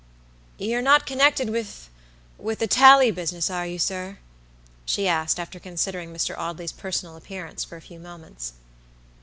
"You're not connected withwith the tally business, are you, sir?" she asked, after considering Mr. Audley's personal appearance for a few moments.